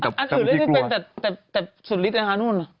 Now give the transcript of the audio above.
อันอื่นเล่นไม่เป็นแต่สุริทธิ์นะฮะ